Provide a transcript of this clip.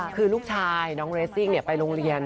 คือลูกชายน้องเรสซิ่งไปโรงเรียน